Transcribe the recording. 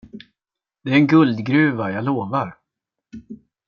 Det är en guldgruva, jag lovar!